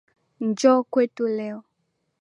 Njoo kwetu leo